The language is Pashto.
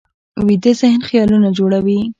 ویده ذهن خیالونه جوړوي